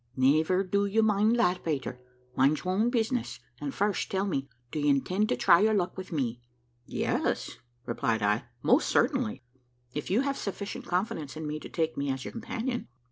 "Never do you mind that, Peter, mind your own business; and first tell me, do you intend to try your luck with me?" "Yes," replied I, "most certainly, if you have sufficient confidence in me to take me as your companion."